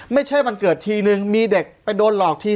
ไม่ใช่วันเกิดทีนึงมีเด็กไปโดนหลอกที